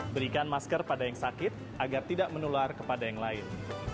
berikan masker pada yang sakit agar tidak menular kepada yang lain